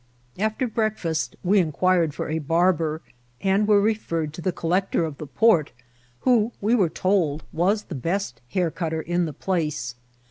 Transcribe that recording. After breakfast we inquired for a barber, and were referred to the collector of the port, who, we were told, was the best hair cutter in the place.